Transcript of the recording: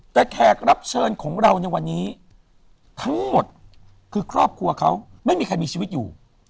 แต่แขกรับเชิญของเราในวันนี้ทั้งหมดคือครอบครัวเขาไม่มีใครมีชีวิตอยู่